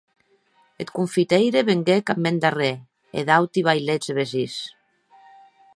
Eth confiteire venguec ath mèn darrèr, e d'auti vailets e vesins.